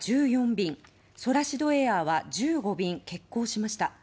便ソラシドエアは１５便欠航しました。